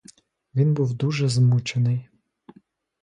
Він був дуже змучений.